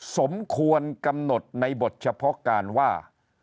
สมควรกำหนดในบทเฉพาะการว่า